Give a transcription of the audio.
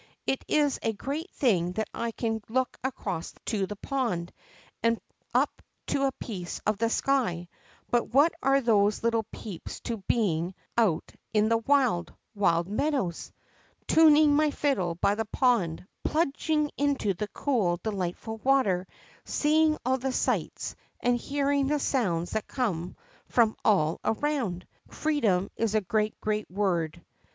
It is a great thing that I can look across to the pond, and up to a piece of the sky, but what are those little peeps to being out in the wide, wide meadows, tuning my fiddle by the pond, plunging into the cool, delightful water, seeing all the sights, and hearing the sounds that como from all around ? Freedom is a great, great word."